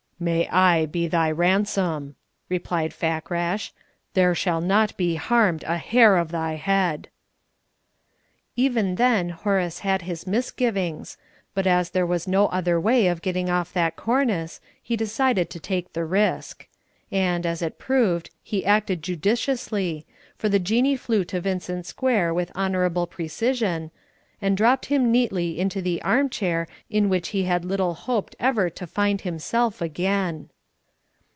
"May I be thy ransom!" replied Fakrash. "There shall not be harmed a hair of thy head!" Even then Horace had his misgivings; but as there was no other way of getting off that cornice, he decided to take the risk. And, as it proved, he acted judiciously, for the Jinnee flew to Vincent Square with honourable precision, and dropped him neatly into the armchair in which he had little hoped ever to find himself again.